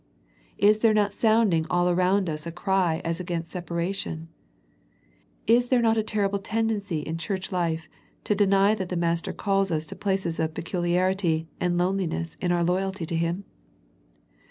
Is there not sounding all around us a cry as against separation ? Is there not a terrible tend ency in church life to deny that the Master calls us to places of peculiarity and loneliness in our loyalty to Him?